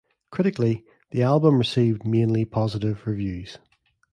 Critically, the album received mainly positive reviews.